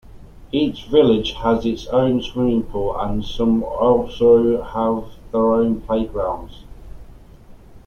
Each village has its own swimming pool and some also have their own playgrounds.